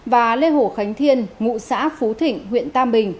và lê hồ khánh thiên ngụ xã phú thịnh huyện tam bình